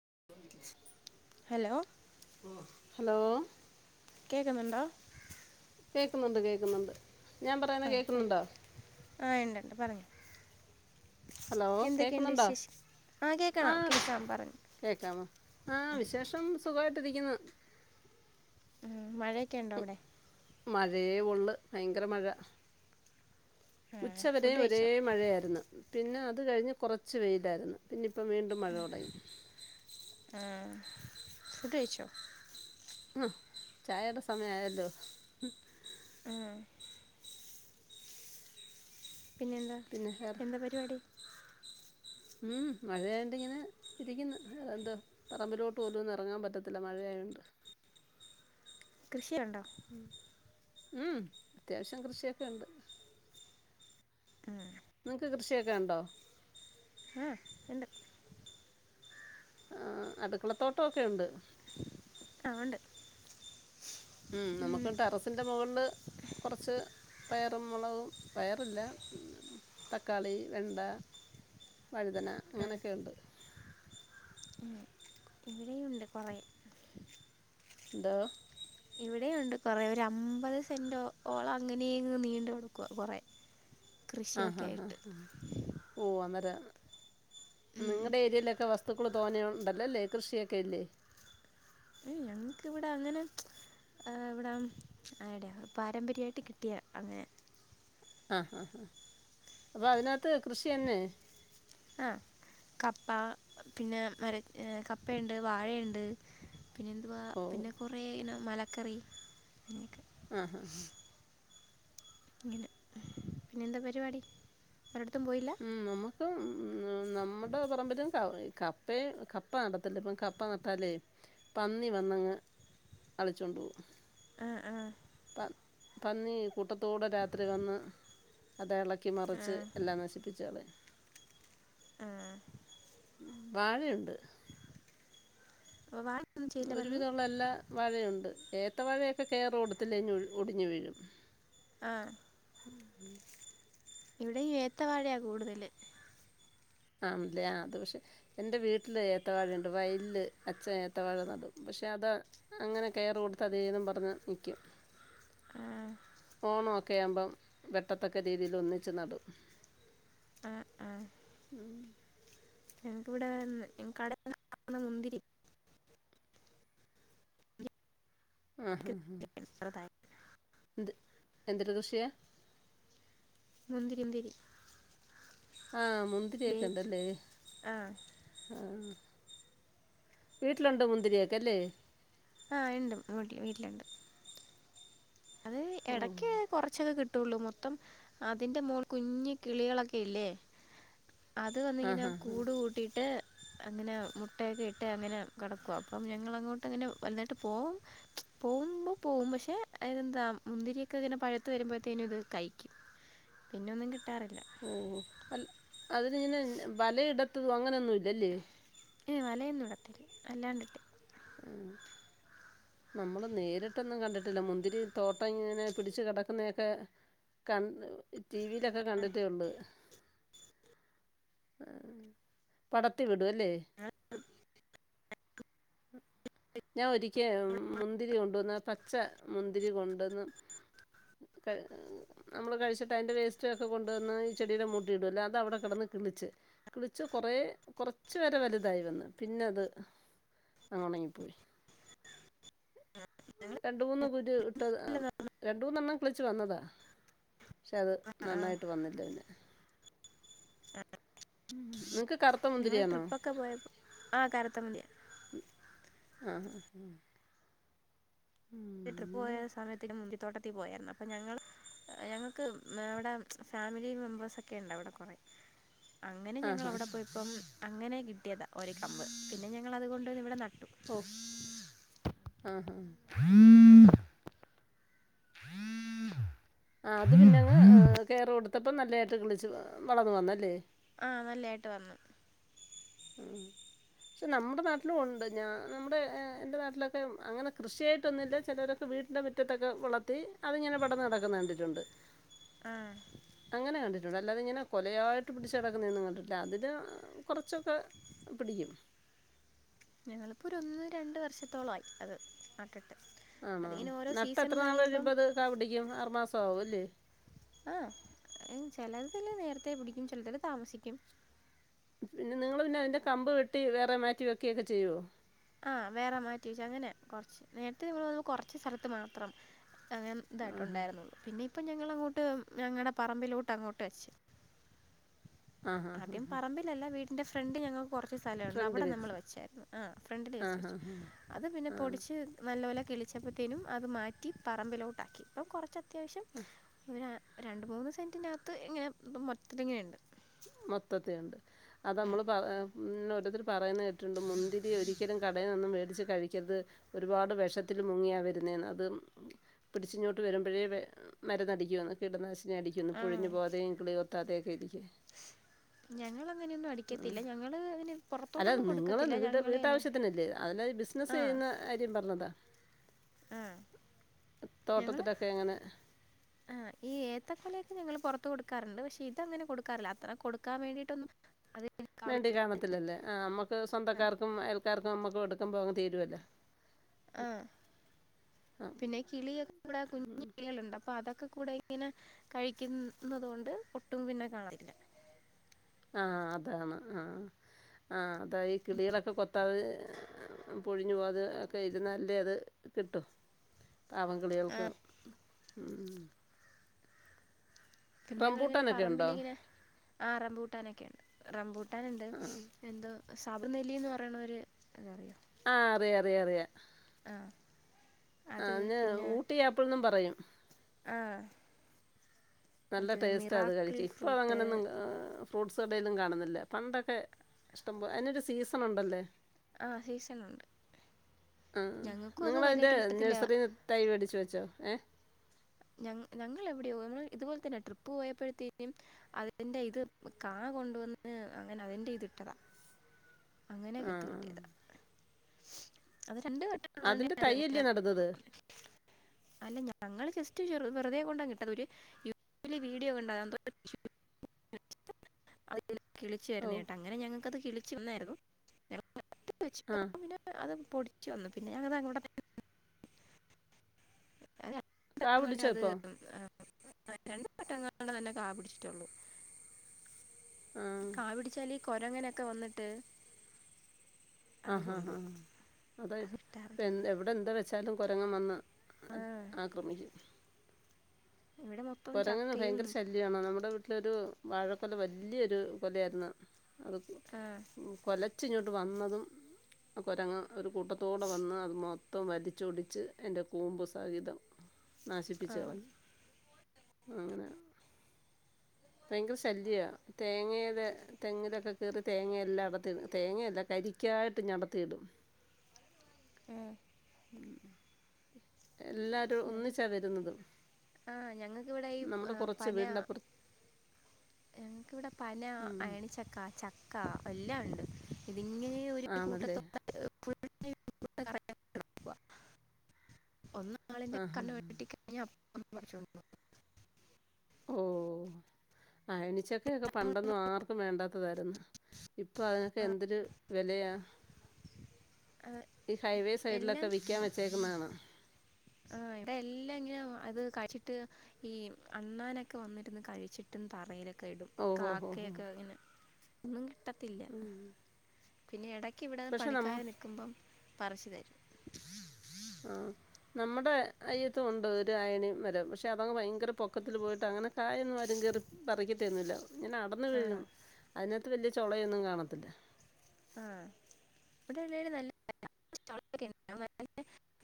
[inaudible] Hello hello കേൾക്ന്ന്ണ്ടോ? കേക്കുന്നുണ്ട് കേക്കുന്നുണ്ട്. ഞാൻ പറയണ ആ പറ കേക്കുന്നുണ്ടോ? ആ ഉണ്ട് ഉണ്ട് പറഞ്ഞോ ഹലോ എന്തൊക്കെയുണ്ട് കേക്കുന്നുണ്ടോ? വിശേഷം ആ കേൾക്കണം വിശ് കേൾക്കാം പറഞ്ഞു കേക്കാമോ ആഹ വിശേഷം സുഖായിട്ടിരിക്കുന്ന്. ഉം മഴയൊക്കെ ഉണ്ടോ, അവിടെ മഴയേ ഉള്ള്, ഭയങ്കര മഴ. ആ ഉച്ചവരെ ഫുഡ് ഒരേ കഴിച്ചോ മഴയായിരുന്നു. പിന്നെ അത് കഴിഞ്ഞ് കുറച്ച് വെയിലായിരുന്നു. പിന്നെ ഇപ് ഇപ്പം വീണ്ടും മഴയോടയി. ഫുഡെയ്ചോ? ആഹ ചായയുടെ സമയായല്ലോ. ആ പിന്നെ എന്താ പിന്നെ വേറെ എന്താ പരിപാടി. ഉം മഴയണ്ട് ങ്ങനെ ഇരിക്കിന്ന് എന്തോ പറമ്പിലോട്ട് പോലുന്ന് ഇറങ്ങാൻ പറ്റത്തില്ല മഴ ഉണ്ട് കൃഷിയുണ്ടോ ഉം അത്യാവശ്യം കൃഷിയൊക്കെ ഉണ്ട് ആഹ നിങ്ങക്ക് കൃഷിയൊക്കെ ഉണ്ടോ ആ ണ്ട് ആ അടുക്കളത്തോട്ടയോക്കെ ഉണ്ട് ആ ഉണ്ട് ഉം നമ്മുക്ക്ട്ട് അറസിന്റെ മുകളില് കൊറച്ച് പയറും മുളകും പയറില്ല തക്കാളി വെണ്ട വഴുതന ആ, അങ്ങനെയൊക്കെണ്ട് ഉം. ഇവിടെയുണ്ട് കുറെ ദ ഇവിടെയുണ്ട് കുറെ ഒരു അമ്പത് സെന്റ് ഓളം അങ്ങനെയന്ന് നീണ്ട കൊടക്കുക കുറെേ ആഹ ആഹ ആ ഹ ഓ അര ഉം. നിങ്ങളുടെ ഏരിയയിലൊക്കെ വസ്തുക്കൾ തോന്നിയുണ്ടല്ലല്ലേ കൃഷിയൊക്കെ ഇല്ലേ ഏ ഞങ്ങക്ക് വിടെ അങ്ങനെ ഇവിടെ അടെ പാരമ്പര്യമായിട്ട് കിട്ടിയ അങ്ങനെ ആഹ ആ ആാ അപ്പൊ അതിനകത്ത് കൃഷിയന്നെ ആഹ കപ്പ പിന്നെ മര കപ്പയുണ്ട് വാഴയുണ്ട് പിന്നെ എന്തുവാ ഓ പിന്നെ കുറേ ഇനം മലക്കറി അങ്ങനെയൊക്കെ ആഹ ഹഹ ആഹ ഇങ്ങെ പിന്നെ എന്താ പരിപാടി അവ ഉം നമ്മുക്ക് ഉ നമ്മുടെ പറമ്പിലും കവു ക പ്പേ കപ്പ നടത്തില്ല ഇപ്പ കപ്പ നട്ടാലേ പന്നി വന്നങ് കളിച്ചോണ്ട് പോവും ആഹ ആഹ പന്നി കൂട്ടത്തൂടെ രാത്രി വന്ന് അത് ഇളക്കി ആ മറിച്ച് എല്ലാം നശിപ്പിച്ച് കളയും ആഹ വാഴയുണ്ട് വ ഒരുവിധമുള്ള എല്ലാ മഴയുണ്ട് ഏത്തവാഴയൊക്കെ കയറുകൊടുത്തില്ലേ ഒടിഞു വീഴും ആഹ ഉ ഇവിടെയും ഏത്തവാഴയാ കൂടുതല് ആണല്ലേ അത് പക്ഷെ എന്റെ വീട്ടില് ഏത്തവാഴുണ്ട് വയല്ല് അച്ഛ ഏത്തവാഴ ന്നടും പക്ഷെ അത് അങ്ങനെ കയർ കൊടുത്ത അതെ പറഞ്ഞ് നിൽക്കും ആ ണൊക്കെ ആവുമ്പം വെട്ടത്തക്ക രീതിൽ ഒന്നിച്ച് നടും ആ ആഹ ഉം ഞങ്ങക്ക് വിടെ കട മുന്തിരി ആഹഹ ഹാ ചെറുതായി എന്ത് എന്ത്ട്ട് കൃഷിയ മുന്തിരി ദിരി ആഹ മുന്തിരി ഒക്കെ ഉണ്ടല്ലേ ആ ആഹ വീട്ടിലുണ്ടോ മുന്തിരിയാൊക്ക അല്ലേ ആ ഇണ്ട്ട്ടി വീട്ടിലുണ്ട് അത് ഓ ഇടക്ക് കുറച്ചൊക്കെ കിട്ടും കിട്ടുള്ളൂ മൊത്തം അതിന്റെ മോൾ കുഞ് കിളികളൊക്കെ ഇല്ലേ അത് വന്നിങ്ങനെ ആഹ് ആഹ് ആഹ് കൂട് കൂട്ടിയിട്ട് അങ്ങനെ മുട്ടയൊക്കെ ഇട്ട് അങ്ങനെ കിടക്കും അപ്പം ഞങ്ങളങ്ങോട്ട് ഇങ്ങനെ വലുന്നട്ട് പോവും പോവുമ്പോ പോവും പക്ഷെ അയിനെന്താ മുന്തിരിയൊക്കെ ഇങ്ങനെ പഴത്ത് വരുമ്പോഴത്തേന് ഇത് കഴിക്കും പിന്നെ ഒന്നും കി ട്ടാറില്ല അതി ഇങ്ങനെ വലയിടത്തും അങ്ങനെയൊന്നും ഇല്ലല്ലേ ഏ വലയൊന്നും ഇടത്തിേല്ല അല്ലാണ്ടിട്ട് മ് നമ്മള് നേരിട്ടൊന്നും കണ്ടിട്ടില്ല മുന്തിരി തോട്ടം ഇങ്ങനെ പിടിച്ചു കെടക്കൊന്നൊക്കെ, ക ടി വിയിലൊക്കെ കണ്ടിട്ടേ ഉള്ളു പടത്തി വിടു അല്ലേ ഞാൻ ഒരിക്കേ മുന്തിരി കൊണ്ടുവന്ന പച്ച മുന്തിരി കൊണ്ട് ടന്ന് നമ്മള് കഴിച്ചിട്ട് ആയിന്റെ വേസ്റ്റ് ഒക്കെ കൊണ്ടുവന്ന് ഈ ചെടിയുടെ മൂട്ടി ഇടല്ല അത് അവിടെ കെടന്ന് കിളിച്ച് കിളിച്ചു കൊറെ കുറച്ചു വരെ വലുതായി വന്ന് പിന്നെ അത് അങ്ങ ഉണങ്ങി പോയി ഞങ്ങൾ രണ്ട മൂന്ന് കുര് ഇട്ടത് രണ്ട മൂന്നെണ്ണം കിളിച്ചു വന്നതാ, പക്ഷെ അത് ആ നന്നായിട്ട് വന്നില്ല പിന്നെ ആ നിങ്ങക്ക് കറുത്ത ഞങ്ങൾ മുന്തിരിയാണോ? ട്രിപ്പൊക്കെ പോയപ്പോൾ ആ കറുത്ത മന്തി ആ ഹാ ഉം ട്രിപ്പ് പോയ സമയത്തിന്റെ മുന്തി ത്തോട്ടത്തിൽ പോയായിര്ന്നു അപ്പൊ ഞങ്ങൾ ഞങ്ങക്ക് അവിടെ ഫാമിലി മെമ്പേഴ്സൊക്കെ ഉണ്ട് അവിടെ കുറെേ അങ്ങനെ ആഹ് ഞങ്ങ ആഹാ അവിടെ പോയിപ്പം അങ്ങനെ കിട്ടിയതാ ഒരു കമ്പ് പിന്നെ ഞങ്ങള് അത കൊണ്ട് ഇവിടെ ന ഓ ആ ഹാ ആ അത് പിന്നെങ്ങ് കെയറ കൊടുത്തപ്പ നല്ലായിട്ട് കളിച്ചു വളർന്നു വന്നല്ലേ ആഹ് നല്ലയിട്ട് വന്നു, ഉം പക്ഷെ നമ്മുടെ നാട്ടിലും ഉണ്ട് ഞാ നമ്മുടെ എന്റെ നാട്ടിലൊക്കെ അങ്ങനെ കൃഷിയായിട്ട ഒന്നല്ല ചിലരക്ക വീട്ടിൻ്റെ മുറ്റത്തൊക്കെ വളർത്തി അതിങ്ങനെ പെടന്ന് നടക്കുന്ന കണ്ടിട്ടുണ്ട് ആ പിന്ന അല്ലാത ഇങ്ങനെ കൊലയായിട്ട് പിടിച്ച കിടക്കുന്ന നിന്നും കണ്ടിട്ടില്ല അതിന് കുറച്ച് കുറച്ചൊക്കെ പിടിക്കും ഞങ്ങളിപ്പോ ഒരു ഒന്ന് രണ്ട് വർഷത്തോളായി അത് നട്ടിട്ട് ആണോ അതിങ്ങനെ ഓരോ നട്ട് സീസൺ എത്ര നാൾ കഴിയുമ്പം കഴിയുമ്പോ അത് കാ പിടിക്കും ആറുമാസം ആവു അല്ലേ ആ ചിലതല് നേരത്തെ പിടിക്കും ചിലതല് താമസിക്കും പിന്നെ നിങ്ങൾ പിന്നെ അതിന്റെ കമ്പ് വെട്ടി വേറെ മാറ്റി വെക്കിയൊക്കെ ചെയ്യുവോ ആ വേറെ മാറ്റി അങ്ങനെ കൊറച്ച് നേരട്ട് നമ്മൾ കൊറച്ച് സ്ഥലത്ത് മാത്രം അങ്ങനെ ഇതായിട്ട് ആഹ്. ണ്ടായിരുന്നുള്ളൂ പിന്നെ അപ്പൊ ഞങ്ങളങ്ങോട്ട് ഞങ്ങളുടെ പറമ്പിലോട്ട് അങ്ങോട്ട് വച് ആഹാഹാ. ആദ്യം പറമ്പിലല്ല വീടിന്റെ ഫ്രണ്ട് ഞങ്ങ കുറച്ച് സ്ഥലംണ്ട് ഫ്രണ്ട് അവിടെ വെച്ച്. നമ്മൾ വെച്ചായിരുന്നു ആ ഫ്രണ്ടിൽ ജസ്റ്റ്‌ വെച്ച് ആഹാഹാ. അത് പിന്നെ ആ. പൊടിച്ച് നല്ല പോലെ കിളിച്ചപ്പോഴത്തേനും അത് മാറ്റി പറമ്പിലോട്ടാക്കി അപ്പം കുറച്ച് അത്യാവശ്യം രണ്ട് മൂന്ന് സെന്റിനകത്ത് ഇങ്ങനെ മൊത്തത്തി ഇങ്ങനെയുണ്ട്. മൊത്തത്തിണ്ട് അത് നമ്മൾ പിന്ന രോരുത്തർ പറയുന്നത് കേട്ടിട്ടുണ്ട് മുന്തിരി ഒരിക്കലും കടയി മേടിച്ച് കഴിക്കരുത് ഒരുപാട് വിഷത്തിൽ മുങ്ങിയ വരുന്നേ അത് പിടിച്ചുഞ്ഞോട്ട് വരുമ്പോഴേ മരന്ന്ടിക്കുന്നു കീടനാശിനി അടിക്കന്നന്ന് ആ പുഴിഞ്ഞു പോതെും കളി കൊത്താതെയ ഒക്കെ ഇരിക്കേ ഞങ്ങള് ഉം അല്ല പുറത്തോട്ടൊന്നും നിങ്ങള് കൊടുക്കത്തില്ല വീട്ട് ഞങ്ങൾ തന്നെ വീട്ടാവശ്യത്തിനല്ലേ അ ബിസിനസ് ആ ചെയ്യ കാര്യം പറഞ്ഞതാ ആ തോട്ടത്തിലൊക്കെ എങ്ങനെ ആ ഈ ഏത്തക്കലയൊക്കെ ഞങ്ങൾ പുറ കൊടുറുണ്ട് പക്ഷെ ഇത അങ്ങനെ കൊടുറില്ല അത്ര കൊടുക്കാൻ വേണ്ടിയിട്ടൊന്നും അത് എടുക്കാൻ വേണ്ടി കാണത്തില്ലല്ലേ ആ നമ്മുക്ക് ആ, സ്വന്തക്കാർക്കും അയൽക്കാർക്കും നമ്മുക്ക് എടുക്കുംമ്പോ അങ്ങ് തിരുമല്ലോ ആ പിന്നെ കിളിയക്കെ കൂടെ കുഞ്ഞു കിളികളുണ്ട് അപ്പൊ അതൊക്കെ ഒക്കെ കൂടെ ഇങ്ങനെ കഴിക്കുന്നത് കൊണ്ട് ഒട്ടും പിന്നെ കാണത്തില്ല ആ അതാണ് ആ ആ അതാ ഈ കിളികളൊക്കെ കൊത്താതെ പൊഴിഞ്ഞു പോകാതെ ഒക്കെ ഇരുന്നാലല്ലേ അത് കിട്ടു പാവം ആ കിളികൾക്ക് ഉം. പിന്നെ ഞങ്ങളിങ്ങനെ റംബൂട്ടാനൊക്കെ ഉണ്ടോ പറമ്പിലിങ്ങനെ, ആ റംമ്പൂട്ടാനൊക്കെണ്ട് റംബൂ ട്ടാനുണ്ട്, എന്തോ സാബനെല്ലിന്ന് പറയണര് ആ അറിയ അറിയ അറിയ. ആ ആ അത് അന്ന് പിന്നെ ഊട്ടിആപ്പിൾന്നും പറയും. ആ നല്ല അത് ടേസ്റ്റാ അത് മിറാക്കിൾ കഴിക്കാ, ഇപ്പൊ ഫ്രൂട്ട് അതങ്ങനൊന്നും ആ ഫ്രൂട്ട്സ് കടേലും കാണുന്നില്ല പണ്ടൊക്കെ ഇഷ്ടം പോ അതിനൊരു സീസൺ ഉണ്ടല്ലേ? ആ സീസൺ ഉണ്ട്. ആ നിങ്ങളതിന്റെ കിട്ടത്തില്ല നഴ്സറിന്ന് തൈ മേടിച്ച് വെച്ചോ ഏ? ഞ ഞങ്ങൾ എവിടെയോ ഇതുപോലെ തന്നെ ട്രിപ്പ് പോയപ്പഴത്തേക്കും അതിന്റെ ഇത് കാ കൊണ്ടുവന്ന് അങ്ങനെ അതിന്റെ ഇതിട്ടതാ. ആ അങ്ങനെയൊക്കെത്ത് കിട്ടിയതാ, അ അതിന്റെ തയ്യല്ലേ നടുന്നത്? അല്ല ഞങ്ങള് ജസ്റ്റ് ചെറു വെറുതെ കൊണ്ടങ്ങിട്ടതാ [unintelligible] ഒരു യൂട്യൂബില് വീഡിയോ കണ്ടതാ [unintelligible] അത് കിളിച്ചു ഓ വരുന്ന കേട്ടാ അങ്ങനെ ഞങ്ങക്കത് കിളിച്ചു വന്നായിരുന്നു [unintelligible] വെച്ച ആ പിന്നെ അത് പൊടിിച്ചു വന്നു പിന്നെ [unintelligible] [inaudible] അത് കാ [inaudible] പിടിച്ചോ ഇപ്പോൾ രണ്ട് വട്ടങ്ങാണ്ടേ അതിനു കാപിടിച്ചിട്ടുള്ളു ആ കാപിടിച്ചാലി കൊരങ്ങനൊക്കെ വന്നിട്ട് ആ അത് ആ ആ കൊണ്ടുപോകും അതാ അത് കിട്ടാറില്ല ഇപ്പെന്ത് എവിടെ എന്താ വെച്ചാലും കുരങ്ങൻ വന്ന് ന്ന്‌ ആ ആക്രമിക്കും. [unintelligible] ഇവിടെ മൊത്തം കൊരങ്ങന് ചക്കയും ഭയങ്കര ശല്ല്യാണ് നമ്മുടെ വീട്ടിലൊരു വാഴക്കൊല വല്ല്യ ഒരു കൊലയായിരുന്നു അത് ആഹ് കൊലച്ചിങ്ങോട്ട് വന്നതും ആ കുരങ്ങ ഒരു കൂട്ടത്തോടെ വന്ന് അത് മൊത്തം വലിച്ചൊടിച്ച് അയിൻ്റെ കൂമ്പ് സഹിതം നശിപ്പിച്ചു ആഹ് കളഞ്ഞു. അങ്ങനെ ഭയങ്കര ശല്ല്യാ തേങ്ങയില് തെങ്ങിലൊക്കെ കേറി തേങ്ങയെല്ലാം അടത്തിടും, തേങ്ങയല്ല കരി ക്കായിട്ടിങ്ങടത്തിയിടും. [unintelligible] ഉം ഉം എല്ലാരും ഞങ്ങ ഒന്നിച്ചാ വരുന്നതും ആഹ് ഞങ്ങൾക്കിവിടെ ഈ ആ, നമ്മുടെ കൊറച്ച് പന വീടിന്റപ്പുറ ഞങ്ങൾക്കിവിടെ പന ഉം. അയണിച്ചക്ക ചക്ക എല്ലാം ഉണ്ട്. ഇതിങ്ങനെ ഒരു ആണല്ലേ? കൂട്ടത്തോടെ [inaudible] ഒന്നാളിന്റെ ആഹാ കണ്ണ് തെറ്റി കഴിഞ്ഞ അപ്പ [unintelligible] ഓ അയണിച്ചക്കെക്കെ പണ്ടൊന്നും ആർക്കും വേണ്ടാത്തതായിരുന്നു. ഇപ്പ അതിനൊക്കെ എന്തൊരു വെലയാ. അത് ഈ ഹൈവേ സൈഡിലൊക്കെ വിക്കാൻ വെച്ചേക്കുന്ന കാണാം. ആ ഇവിടെ എല്ലാം ഇങ്ങനെ അത് കഴിച്ചിട്ട് ഈ അണ്ണാനൊക്കെ വന്നിരുന്ന് കഴിച്ചിട്ടും തറയിലൊക്കെ ക്കെ ഇടും ഓ ഹോ ഹോ ഹോ കാക്കയൊക്കെ ഇങ്ങനെ കിട്ടത്തില്ല പിന്നെ എടക്ക് ഇവിടെ പക്ഷെ നമ്മ പണിക്കാര് നിക്കുമ്പം പറിച്ച് തരും. ആ നമ്മുടെ അയ്യത്തും ഉണ്ട് ഒരു അയണി മരം പക്ഷെ അതങ്ങ് ഭയങ്കര പൊക്കത്തിൽ പോയിട്ടാണ് അങ്ങനെ കായൊന്നും ആരും കേറി പറിക്കത്തും ഒന്നുമില്ല ഇങ്ങനെ അടന്ന് ആഹ് വീഴും അതിനകത്ത് വല്ല്യ ചൊളയൊന്നും കാണത്തില്ല. ആ ഇവിടല്ലേലും നല്ല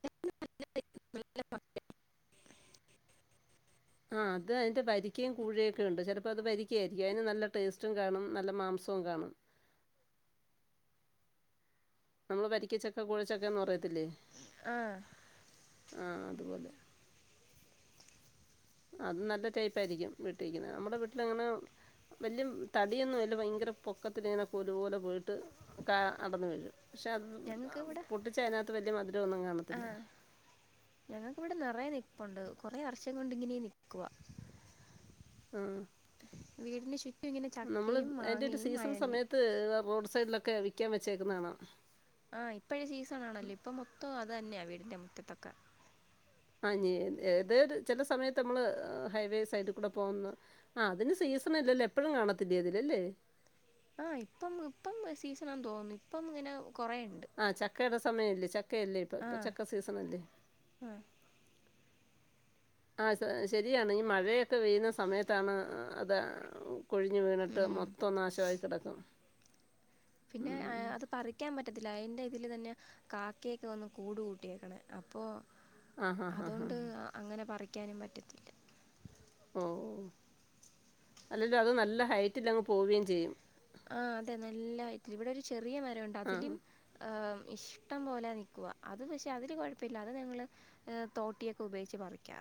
[unintelligible] [unintelligible] മ ആ അത് അതിന്റെ പരിക്കീം കൂഴൊക്കെ ഉണ്ട് ചിലപ്പോ അത് പരിക്ക ആയിരിക്കും അതിന് നല്ല ടേസ്റ്റും കാണും നല്ല മാംസോ കാണും നമ്മള് വരിക്കച്ചക്ക കൂഴച്ചക്കന്ന് പറയത്തില്ലേ ആ ആ അതുപോലെ അത് നല്ല ടൈപ്പായിയിരിക്കും വീട്ടിക്കുന്നെ നമ്മുടെ വീട്ടിലങ്ങനെ വല്ല്യ തടിയൊന്നുല്ല ഭയങ്ക ത്ത പൊക്കത്തിങ്ങനെ കൊലു പോലെ പോയിട്ട് കാ അടർന്ന് വരൊ പക്ഷെ അത് ഞങ്ങൾക്ക് ഇവിടെ പൊട്ടിച്ച അതിനകത്ത് വല്യ മധുരൊന്നും കാണത്തില്ല. ഞങ്ങക്കിവിടെ നറയെ നിൽപ്പുണ്ട് കുറെേ വർഷം കൊണ്ടിങ്ങനെ നിക്കുവാ. വീടിനുച്ചുറ്റ് നമ്മള് അതിന്റെ ഒരു സീസൺ സമയത്ത് റോഡ് സൈഡിലൊക്കെ വിക്കാൻ വെച്ചേക്കുന്നെ കാണാ. ആ ഇപ്പഴ സീസൺാണല്ലോ ഇപ്പൊ മൊത്തം അതന്നെയാ വീടിന്റെ മുറ്റത്തൊക്കെ. ആ എ ഏതരു ചില സമയത്ത് നമ്മള് ഹൈവേ സൈഡിൽ കൂടെ പോകുന്ന് ആ അതിന് സൈ സീസല്ലല്ലോ എപ്പഴും കാണത്തില്ല അതിലല്ലേ? ആ ഇപ്പം ഇപ്പം സീസണാണ് തോന്നുന്ന് ഇപ്പം ഇങ്ങനെ കുറേ ഉണ്ട് ആ ചക്കയുടെ സമയല്ലേ ചക്കയല്ലേ ആ ഇപ്പൊ ചക്ക സീസണല്ലേ? ആ ആ സെ ശരിയാണ് ഈ മഴയൊക്കെ പെയ്യുന്ന സമയത്താണ് അത് കൊഴിഞ്ഞു വീണിട്ട് ഉം. മൊത്തം നാശായി കെടക്കും പിന്നെ അത് പറിക്കാൻ പറ്റ ത്തില്ല അയിൻ്റെ ഇതിൽ തന്നെ കാക്കയൊക്കെ വന്ന് കൂട് കൂട്ടിയേക്ക്ണ് ‌ അപ്പോ ആഹാഹാഹാ. അതോണ്ട് അങ്ങനെ പറിക്കാനും പറ്റത്തില്ല ഓ അല്ലെല്ലോ അത് നല്ല ഹൈറ്റിലങ്ങ് പോവേം ചെയ്യും ആ അതെ നല്ല ഹയ്റ്റല് ഇവിടെ ഒരു ചെറിയ മരൊണ്ട് ആ. അതിലും ആ ഇഷ്ടം പോലെ നിക്കുവ അത് പഷെ അതിൽ കൊഴപ്യല്ല അത് ഞങ്ങള് തോട്ടിയൊക്കെ ഉപയോഗിച്ച് പറിക്കാ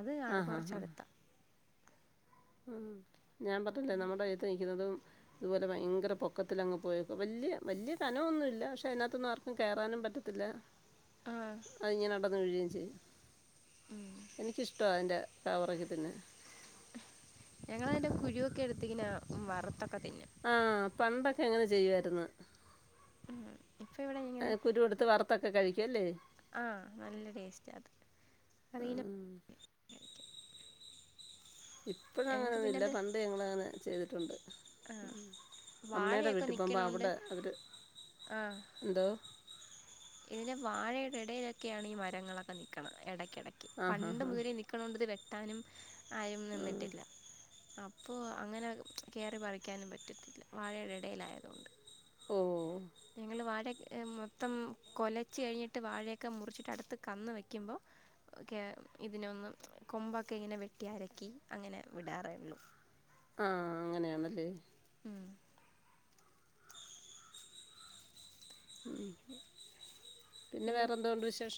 അത് കാണ് ആഹാഹാ. കുറച്ചട്ത്താ ഉം ഞാൻ പറഞ്ഞില്ലേ നമ്മുടെ അത്ത് നികുന്നതും അതുപോലെ ഭയങ്കര പൊക്കത്തിലങ്ങ് പോയേക്കും വല്യ വല്യ കനൊന്നുല്ല പക്ഷെ അതിനകത്തൊന്നും ആർക്കും കയറാനും പറ്റത്തില്ല ആഹ് അതിങ്ങെ അടന്ന് വീഴേം ചെയ്യും എനിക്കിഷ്ട്ട അതിന്റെ കവറക്കിതിന്ന് ഞങ്ങളതിന്റെ കുരൊക്കെ എടുത്തിങ്ങനാ വറുത്തൊക്കെ തിന്നും ആ പണ്ടൊക്കെ അങ്ങനെ ചെയ്യുവായിരുന്ന്. ഇപ്പ ഇവിടെ ഇങ്ങനെ കഴിക്കും അല്ലേ? ആ നല്ല ടേസ്റ്റത്. അറീല. ആ. ഇപ്പഴ് ഞങ്ങൾക്ക് അങ്ങനൊന്നുല്ല പിന്നത് പണ്ട് ഞങ്ങള് അങ്ങനെ ചെയ്തിട്ടുണ്ട്. ആഹ് അമ്മയുടെ വാഴയൊക്കെ വീട്ടി പോകുമ്പോ അവിടെ അവര്- ആ. എന്തോ ഇതിന്റെ വാഴയുടെ ഇടയിലൊക്കെയാണ് ഈ മരങ്ങളൊക്കെ നിക്കണെ ഇട കിടക്കി ആ ഹാ പണ്ട് ഹാ മുതലേ നിക്കണോണ്ടത് വെട്ടാനും ആരും ആ നിന്നിട്ടില്ല. അപ്പോ അങ്ങനെ കേറി പറിക്കാനും പറ്റത്തില്ല. വാഴയുടെ ഇടയിലായതോണ്ട്. ഓ ഞങ്ങള് വാഴ ക്ക്‌ മൊത്തം. കൊലച് കഴിഞ്ഞിട്ട് വാഴയൊക്കെ മുറിച്ചിട്ട് അടുത്ത് കന്ന് വെയ്ക്കുമ്പോ. ഒക്കെ ഇതിനൊന്നും കൊമ്പൊക്കെ ഇങ്ങനെ വെട്ടി നുറുക്കി അങ്ങനെ വിടാറേള്ളു. ആ അങ്ങനെയാണല്ലേ. ഉം ഉം പിന്നെ വേറെന്തോണ്ട് വിശേഷം?